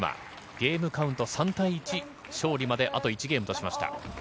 ゲームカウント３対１勝利まであと１ゲームとしました。